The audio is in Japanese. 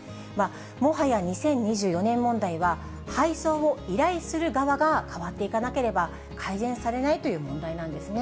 もはや２０２４年問題は、配送を依頼する側が変わっていかなければ、改善されないという問